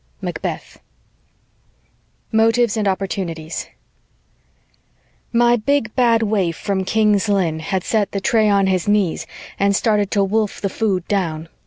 Macbeth MOTIVES AND OPPORTUNITIES My big bad waif from King's Lynn had set the tray on his knees and started to wolf the food down.